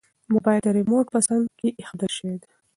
موبایل د ریموټ په څنګ کې ایښودل شوی دی.